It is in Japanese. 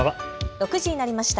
６時になりました。